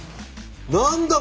何だ？